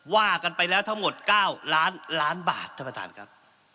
ว่ากันไปแล้วทั้งหมด๙ล้านล้านบาทท่านประธานครับ